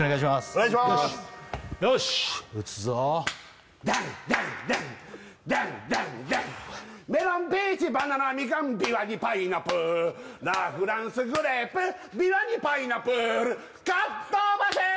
お願いしまーすよし打つぞダンダンダンダンダンダンメロンピーチバナナミカンビワにパイナップルラ・フランスグレープビワにパイナップルかっとばせ